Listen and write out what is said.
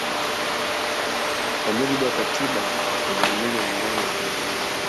Kwa mujibu wa katiba ya jamhuri ya Muungano wa Tanzania